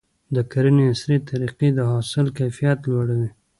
د کرنې عصري طریقې د حاصل کیفیت لوړوي.